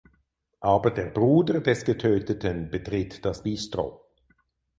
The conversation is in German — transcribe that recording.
Aber der Bruder des Getöteten betritt das Bistro.